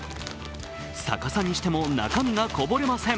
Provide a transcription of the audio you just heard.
逆さにしても中身がこぼれません。